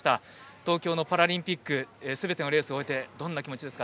東京のパラリンピックすべてのレースを終えてどんな気持ちですか？